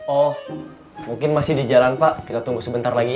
oh mungkin masih di jalan pak kita tunggu sebentar lagi